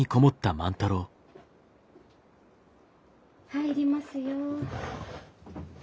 ・入りますよ。